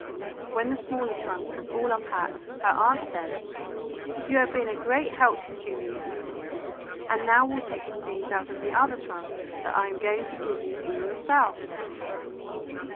When the smaller trunk was all unpacked, her aunt said, "You have been a great help to me, and now we'll take some things out of the other trunk that I am going to give you for yourself."